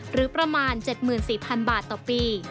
หรือประมาณ๗๔๐๐๐บาทต่อปี